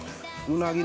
うなぎ。